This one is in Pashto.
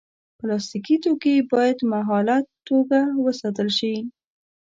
پلاستيکي توکي باید مهاله توګه وساتل شي.